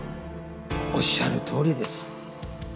おっしゃるとおりです。